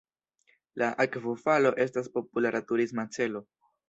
La akvofalo estas populara turisma celo.